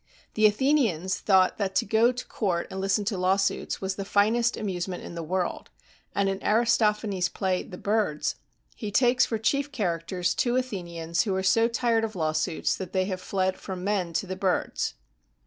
The Athenians thought that to go to court and listen to lawsuits was the finest amusement in the world; and inAristophanes'splay "The Birds," he takes for chief characters two Athenians who are so tired of lawsuits that they have fled from men to the birds.